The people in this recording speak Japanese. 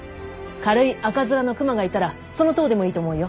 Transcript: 軽い赤面の熊がいたらその痘でもいいと思うよ。